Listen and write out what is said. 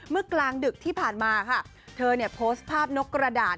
กลางดึกที่ผ่านมาค่ะเธอเนี่ยโพสต์ภาพนกกระดาษ